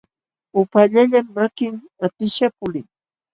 Upaallallam makin aptishqa pulin.